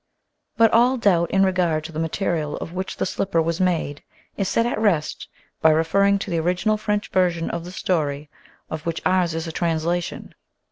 But all doubt in regard to the material of which the slipper was made is set at rest by referring to the original French version of the story, of which ours is a translation.